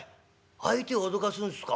「相手を脅かすんすか。